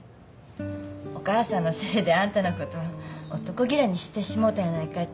お母さんのせいであんたのこと男嫌いにしてしもうたんやないかっ